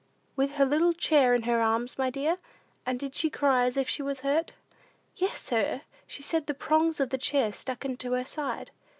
"With her little chair in her arms, my dear? And did she cry as if she was hurt?" "Yes, sir; she said the prongs of the chair stuck into her side."